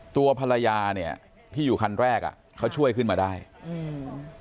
ตัวภรรยาเนี้ยที่อยู่คันแรกอ่ะเขาช่วยขึ้นมาได้อืม